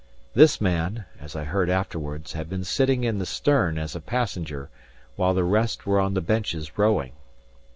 This man (as I heard afterwards) had been sitting in the stern as a passenger, while the rest were on the benches rowing.